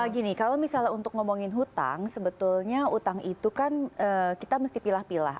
gini kalau misalnya untuk ngomongin hutang sebetulnya utang itu kan kita mesti pilah pilah